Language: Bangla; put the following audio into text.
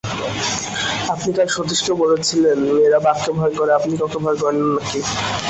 আপনি কাল সতীশকে বলেছিলেন মেয়েরা বাঘকে ভয় করে–আপনি কাউকে ভয় করেন না নাকি?